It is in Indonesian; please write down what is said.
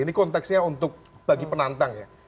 ini konteksnya untuk bagi penantang ya